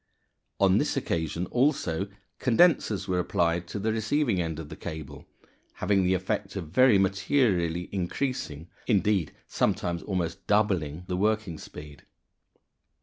On this occasion also condensers were applied to the receiving end of the cable, having the effect of very materially increasing indeed, sometimes almost doubling the working speed.